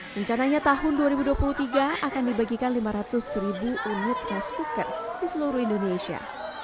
rencananya tahun dua ribu dua puluh tiga akan dibagikan lima ratus ribu unit rice cooker di seluruh indonesia